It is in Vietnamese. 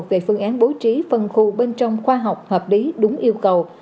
về phương án bố trí phân khu bên trong khoa học hợp lý đúng yêu cầu